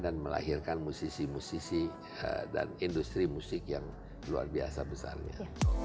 dan melahirkan musisi musisi dan industri musik yang luar biasa besarnya